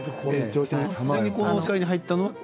この世界に入ったのは？